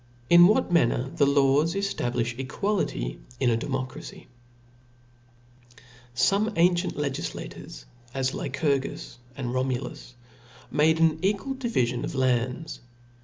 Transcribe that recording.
V. In what manner the Laws ejiablijh Equality in a Democracy. ^ V ^ Come ancient legiflators, as Lycurgus and Chap. 5* y^ Romulus, made an equal divifion of lands.